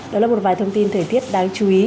đó là một vài thông tin thời tiết đáng chú ý